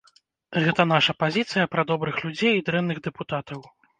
Гэта наша пазіцыя пра добрых людзей і дрэнных дэпутатаў.